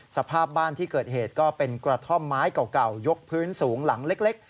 สภาพบ้านที่เกิดเหตุก็เป็นกระท่อมไม้เก่ายกพื้นสูงหลังเล็ก